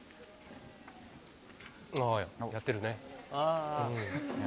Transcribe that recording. やってるね。